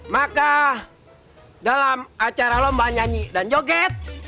maka dalam acara lomba nyanyi dan joget